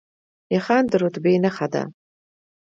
نښان د رتبې نښه ده